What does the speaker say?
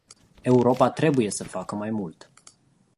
Europa trebuie să facă mai mult.